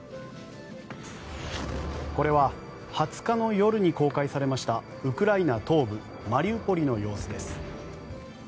これは２０日の夜に公開されましたウクライナ東部マリウポリの様子です。